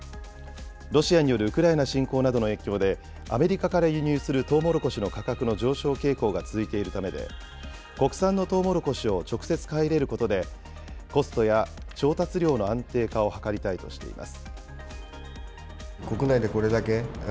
ロシアによるウクライナ侵攻などの影響で、アメリカから輸入するとうもろこしの価格の上昇傾向が続いているためで、国産のとうもろこしを直接買い入れることで、コストや調達量の安定化を図りたいとしています。